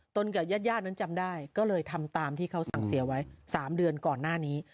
กับญาตินั้นจำได้ก็เลยทำตามที่เขาสั่งเสียไว้๓เดือนก่อนหน้านี้